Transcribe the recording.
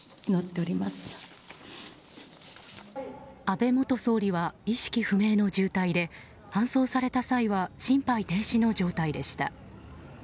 安倍元総理は意識不明の重体で搬送された際は心肺停止の状態でした。